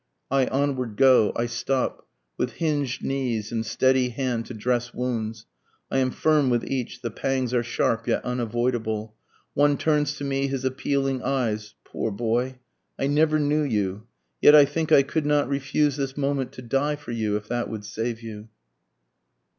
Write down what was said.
I onward go, I stop, With hinged knees and steady hand to dress wounds, I am firm with each, the pangs are sharp yet unavoidable, One turns to me his appealing eyes poor boy! I never knew you, Yet I think I could not refuse this moment to die for you, if that would save you.